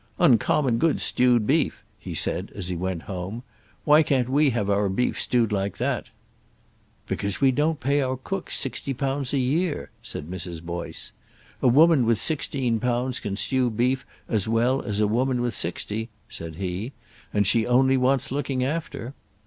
"Uncommon good stewed beef," he said, as he went home; "why can't we have our beef stewed like that?" "Because we don't pay our cook sixty pounds a year," said Mrs. Boyce. "A woman with sixteen pounds can stew beef as well as a woman with sixty," said he; "she only wants looking after."